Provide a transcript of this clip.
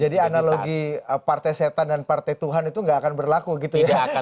jadi analogi partai setan dan partai tuhan itu gak akan berlaku gitu ya